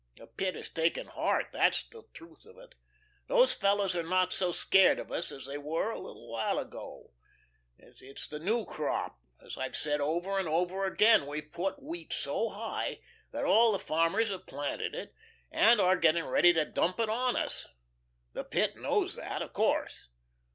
The Pit is taking heart, that's the truth of it. Those fellows are not so scared of us as they were a while ago. It's the new crop, as I've said over and over again. We've put wheat so high, that all the farmers have planted it, and are getting ready to dump it on us. The Pit knows that, of course.